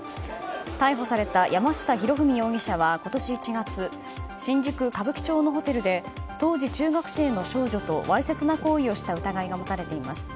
逮捕された山下裕史容疑者は今年１月新宿・歌舞伎町のホテルで当時中学生の少女とわいせつな行為をした疑いが持たれています。